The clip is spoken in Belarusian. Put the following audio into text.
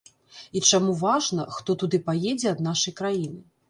І чаму важна, хто туды паедзе ад нашай краіны.